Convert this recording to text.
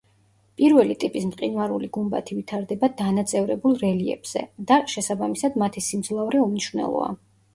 პირველი ტიპის მყინვარული გუმბათი ვითარდება დანაწევრებულ რელიეფზე და შესაბამისად, მათი სიმძლავრე უმნიშვნელოა.